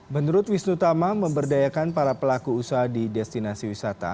menurut wisnu tama memberdayakan para pelaku usaha di destinasi wisata